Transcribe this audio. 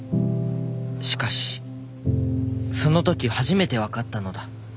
しかしその時初めて分かったのだ。